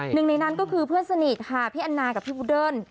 หนึ่งในนั้นก็คือเพื่อนสนิทค่ะพี่แอนนากับพี่พูเดิ้ล